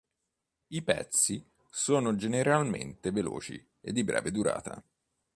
I pezzi sono generalmente veloci e di breve durata.